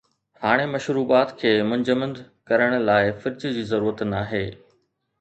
هاڻي مشروبات کي منجمد ڪرڻ لاءِ فرج جي ضرورت ناهي